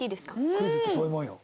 クイズってそういうもんよ。